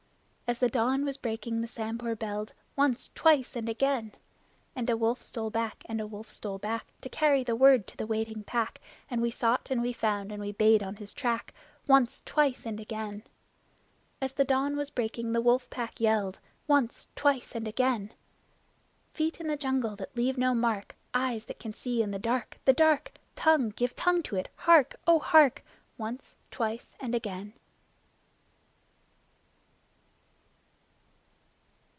As the dawn was breaking the Sambhur belled Once, twice and again! And a wolf stole back, and a wolf stole back To carry the word to the waiting pack, And we sought and we found and we bayed on his track Once, twice and again! As the dawn was breaking the Wolf Pack yelled Once, twice and again! Feet in the jungle that leave no mark! Eyes that can see in the dark the dark! Tongue give tongue to it! Hark! O hark! Once, twice and again!